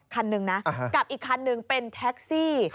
คันหนึ่งนะกับอีกคันหนึ่งเป็นแท็กซี่